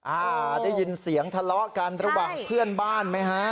อ่าได้ยินเสียงทะเลาะกันระหว่างเพื่อนบ้านไหมฮะ